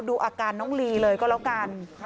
ดูอาการน้องลีเลยก็แล้วกัน